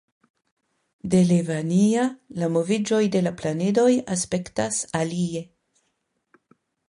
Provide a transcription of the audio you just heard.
De Levania la moviĝoj de la planedoj aspektas alie.